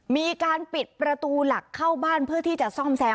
มีการปิดประตูหลักเข้าบ้านเพื่อที่จะซ่อมแซม